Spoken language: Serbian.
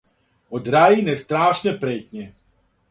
Од рајине страшне претње,